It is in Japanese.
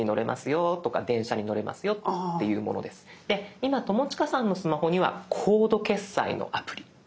で今友近さんのスマホにはコード決済のアプリ。